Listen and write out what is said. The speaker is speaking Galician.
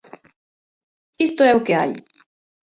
¡Isto é o que hai!